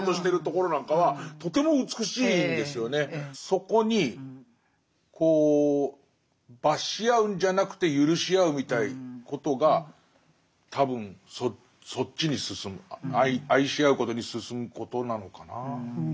そこにこう罰し合うんじゃなくてゆるし合うみたいなことが多分そっちに進む愛し合うことに進むことなのかな。